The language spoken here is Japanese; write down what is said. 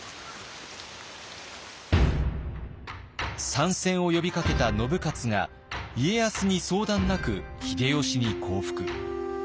参戦を呼びかけた信雄が家康に相談なく秀吉に降伏。